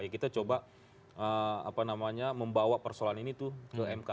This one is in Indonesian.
kita coba membawa persoalan ini tuh ke mk